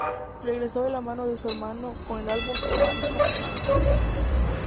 Regresó de la mano de su hermano con el álbum "¡Marcha, marcha!